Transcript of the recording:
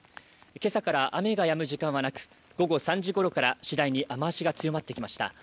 今朝から雨がやむ時間はなく、午後３時ごろからしだいに雨足が強まってきました。